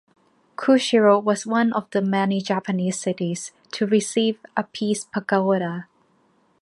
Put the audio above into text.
Kushiro was one of the many Japanese cities to receive a Peace Pagoda.